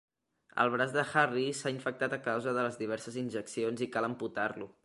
El braç de Harry s'ha infectat a causa de les diverses injeccions i cal amputar-lo.